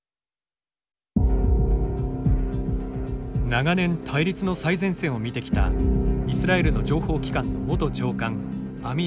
長年対立の最前線を見てきたイスラエルの情報機関の元長官アミ・アヤロン氏。